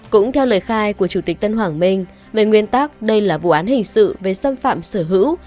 cũng theo lời khai của chủ tịch tân hoàng minh về nguyên tắc đây là vụ án hình sự về xâm phạm sở hữu